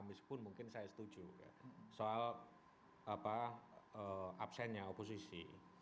meskipun mungkin saya setuju soal absennya oposisi